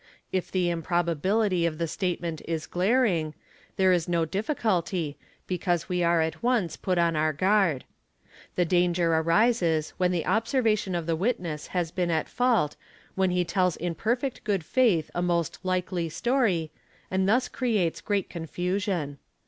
If the impre bability of the statement is glaring, there is no difficulty, because w are at once put upon our guard. The danger arises when the observs tion of the witness has been at fault, when he tells in perfect good fait: a most likely story, and thus creates great confusion.